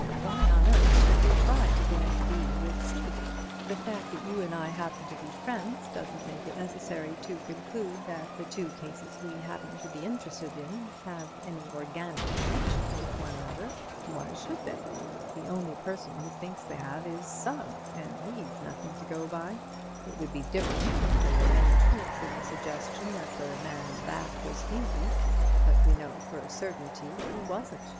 "Why on earth should we try to connect B with C? The fact that you and I happen to be friends doesn't make it necessary to conclude that the two cases we happen to be interested in have any organic connection with one another. Why should they? The only person who thinks they have is Sugg, and he's nothing to go by. It would be different if there were any truth in the suggestion that the man in the bath was Levy, but we know for a certainty he wasn't.